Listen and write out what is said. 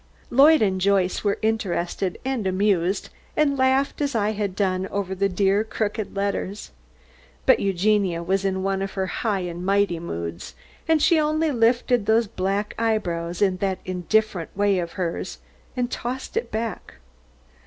Lloyd and Joyce were interested and amused, and laughed as I had done over the dear crooked letters; but Eugenia was in one of her high and mighty moods, and she only lifted those black eyebrows in that indifferent way of hers, and tossed it back.